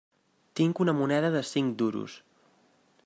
Tinc una moneda de cinc duros.